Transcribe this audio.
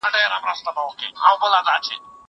هغه څوک چي لاس مينځي روغ وي.